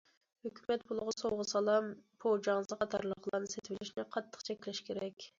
ھۆكۈمەت پۇلىغا سوۋغا- سالام، پوجاڭزا قاتارلىقلارنى سېتىۋېلىشنى قاتتىق چەكلەش كېرەك.